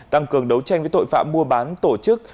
tăng cường đấu tranh với tội phạm mua bán tổ chức